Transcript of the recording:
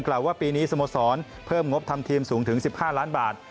ว่าปีนี้สโมสรเพิ่มงบทำทีมสูงถึง๑๕ล้านบาท